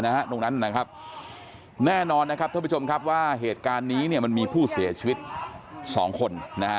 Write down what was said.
แน่นอนนะครับท่านผู้ชมว่าเหตุการณ์นี้มันมีผู้เสียชีวิต๒คน